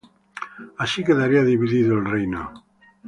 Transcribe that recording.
Así quedaría dividido el reino.